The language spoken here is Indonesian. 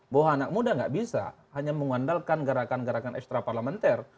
bahwa anak muda nggak bisa hanya mengandalkan gerakan gerakan ekstraparlamenter